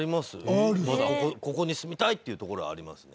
「ここに住みたい！」っていう所ありますね。